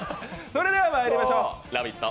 それではまいりましょうラヴィット！